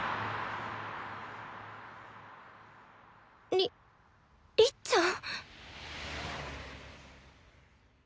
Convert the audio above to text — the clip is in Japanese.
りりっちゃん！？